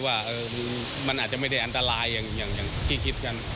ว่ามันอาจจะไม่ได้อันตรายอย่างที่คิดกัน